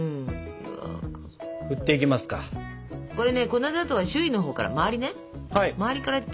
これね粉砂糖は周囲のほうから周りね